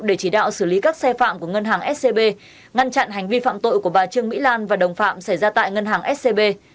để chỉ đạo xử lý các xe phạm của ngân hàng scb ngăn chặn hành vi phạm tội của bà trương mỹ lan và đồng phạm xảy ra tại ngân hàng scb